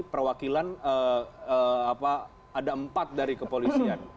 perwakilan ada empat dari kepolisian